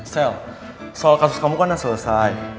sel soal kasus kamu kan udah selesai